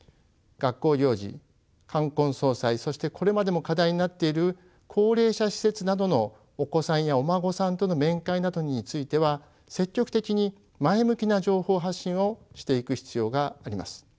学校行事冠婚葬祭そしてこれまでも課題になっている高齢者施設などのお子さんやお孫さんとの面会などについては積極的に前向きな情報発信をしていく必要があります。